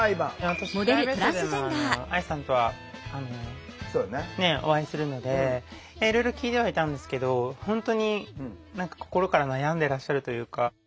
私プライベートでも愛さんとはお会いするのでいろいろ聞いてはいたんですけど本当に心から悩んでらっしゃるというか。